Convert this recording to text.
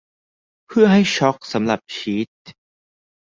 เพื่อให้ชอล์กสำหรับชีส